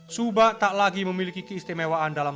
subak tak lagi memiliki keistimewaan dalam